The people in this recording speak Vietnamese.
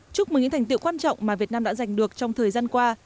chúc mừng những thành tiệu quan trọng mà việt nam đã giành được trong thời gian qua